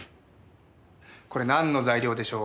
これなんの材料でしょうか？